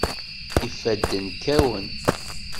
Ifadden kkawen.